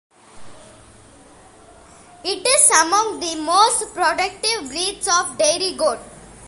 It is among the most productive breeds of dairy goat.